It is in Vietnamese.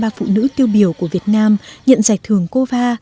ba phụ nữ tiêu biểu của việt nam nhận giải thưởng cova